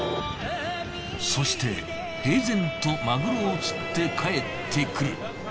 そして平然とマグロを釣って帰ってくる。